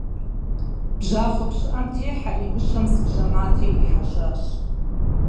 Бжьахъуэ пщыӏэм техьэри, мыщэм зы бжьэматэ ирихьэжьащ.